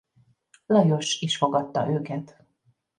Lajos is fogadta őket.